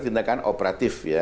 kadang kadang tindakan operatif ya